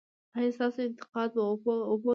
ایا ستاسو انتقاد به وپل کیږي؟